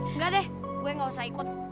enggak deh gue gak usah ikut